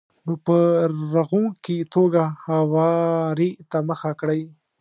نو په رغونکې توګه هواري ته مخه کړئ.